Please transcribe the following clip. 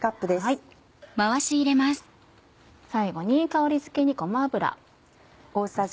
最後に香りづけにごま油。